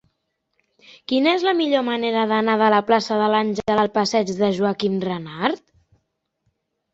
Quina és la millor manera d'anar de la plaça de l'Àngel al passeig de Joaquim Renart?